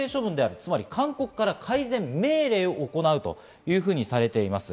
つまり改善命令を行うというふうにされています。